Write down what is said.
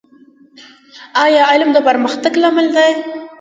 ایا علم د پرمختګ لامل دی؟